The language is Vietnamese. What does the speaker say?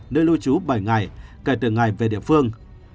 nơi lưu trú bảy ngày kể từ ngày về địa phương